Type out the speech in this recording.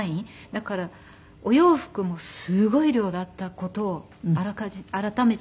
だからお洋服もすごい量だった事を改めて。